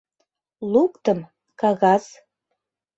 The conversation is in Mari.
Луктым — кагаз.